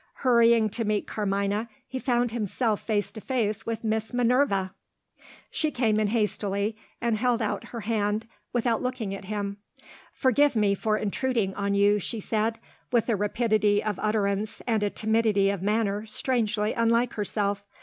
Hurrying to meet Carmina, he found himself face to face with Miss Minerva! She came in hastily, and held out her hand without looking at him. "Forgive me for intruding on you," she said, with a rapidity of utterance and a timidity of manner strangely unlike herself.